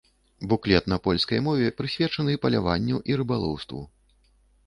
Буклет на польскай мове прысвечаны паляванню і рыбалоўству.